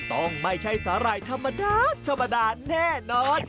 ต้องไม่ใช่สาหร่ายธรรมดาธรรมดาแน่นอน